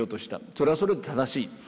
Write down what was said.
それはそれで正しい。